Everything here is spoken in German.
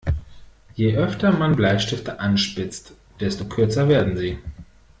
Je öfter man Bleistifte anspitzt, desto kürzer werden sie.